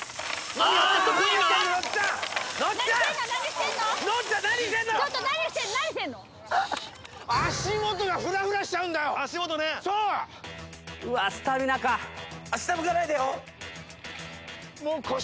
あっ下向かないでよ腰？